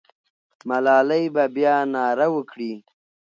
ملالۍ به بیا ناره وکړي.